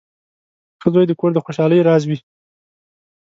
• ښه زوی د کور د خوشحالۍ راز وي.